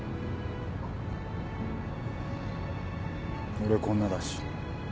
俺こんなだし。